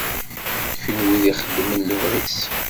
Kunwi ixeddmen lebɣi-s.